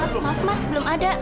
maaf mas belum ada